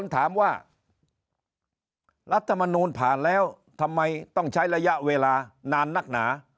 ถามว่ารัฐมนูลผ่านแล้วทำไมต้องใช้ระยะเวลานานนักหนา